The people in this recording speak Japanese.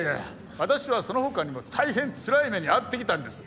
私はそのほかにも大変つらい目に遭ってきたんです。